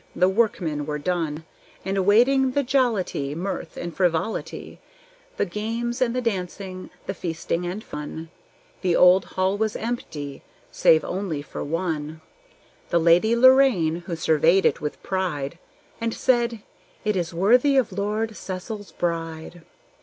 The workmen were done; And awaiting the jollity, mirth, and frivolity, The games and the dancing, the feasting and fun, The old hall was empty, save only for one, The Lady Lorraine, who surveyed it with pride, And said, "It is worthy of Lord Cecil's bride!"